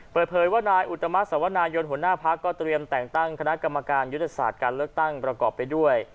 เปิดเผยว่านายอุตมะสวนายนหัวหน้าพักก็เตรียมแต่งตั้งคณะกรรมการยุทธศาสตร์การเลือกตั้งประกอบไปด้วย